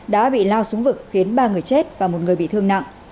đã bị lao xuống vực khiến ba người chết và một người bị thương nặng